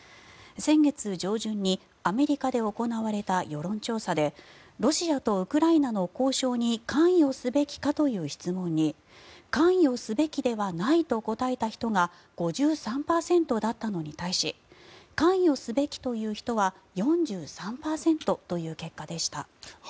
先月上旬にアメリカで行われた世論調査でロシアとウクライナの交渉に関与すべきかという質問に関与すべきではないと答えた人が５３％だったのに対し関与すべきという人は４３％という結果でした。